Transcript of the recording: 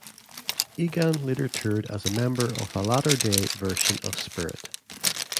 Egan later toured as a member of a latter-day version of Spirit.